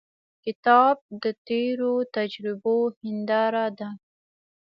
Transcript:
کتاب د تیرو تجربو هنداره ده.